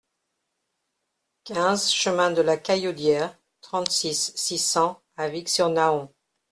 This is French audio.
quinze chemin de la Caillaudière, trente-six, six cents à Vicq-sur-Nahon